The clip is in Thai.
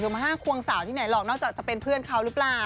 มา๕ควงสาวที่ไหนหรอกนอกจากจะเป็นเพื่อนเขาหรือเปล่า